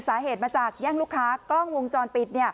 สาเหตุมาจากแย่งลูกค้ากล้องวงจรปิด